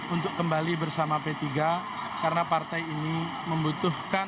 untuk kembali bersama p tiga karena partai ini membutuhkan